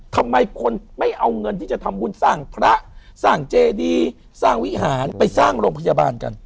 ทำไมคนไม่เอาเงินที่จะทำบุญสร้างพระสร้างเจดีสร้างวิหารไปสร้างโรงพยาบาลกัน